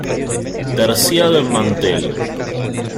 Terciado en mantel.